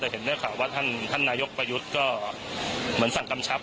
แต่เห็นได้ข่าวว่าท่านนายกประยุทธ์ก็เหมือนสั่งกำชับ